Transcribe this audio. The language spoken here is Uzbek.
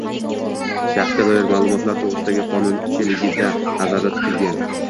shaxsga doir ma’lumotlar to‘g‘risidagi qonunchiligida nazarda tutilgan